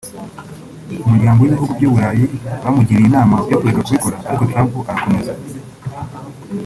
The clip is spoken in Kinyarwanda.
Umuryango w’Ibihugu by’Uburayi bamugiriye inama yo kureka kubikora ariko Trump arakomeza